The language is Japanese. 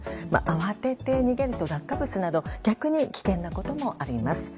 慌てて逃げると落下物など逆に危険なこともあります。